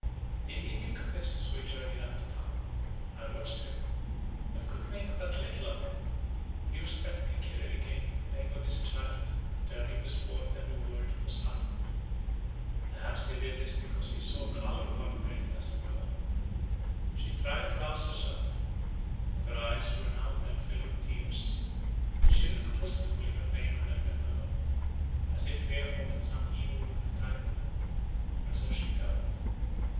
Did he think of this as we journeyed up to town? I watched him, but could make but little of him. He was particularly gay, playing with his child, and turning to sport every word that was uttered. Perhaps he did this because he saw a cloud upon Perdita's brow. She tried to rouse herself, but her eyes every now and then filled with tears, and she looked wistfully on Raymond and her girl, as if fearful that some evil would betide them. And so she felt.